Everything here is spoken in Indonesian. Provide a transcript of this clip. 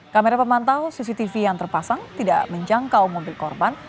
kamera pemantau cctv yang terpasang tidak menjangkau mobil korban